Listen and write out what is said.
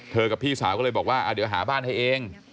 กับพี่สาวก็เลยบอกว่าเดี๋ยวหาบ้านให้เอง